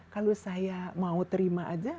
kalau saya mau terima aja